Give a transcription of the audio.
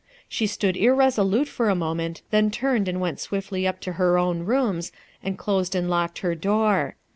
She stood irresolute /or a moment, then turned and went swiftly up to her own rooms and closed and locked her door.